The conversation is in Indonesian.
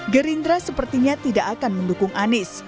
gerindra sepertinya tidak akan mendukung anies